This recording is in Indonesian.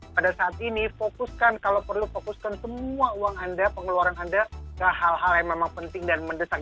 pada saat ini fokuskan kalau perlu fokuskan semua uang anda pengeluaran anda ke hal hal yang memang penting dan mendesak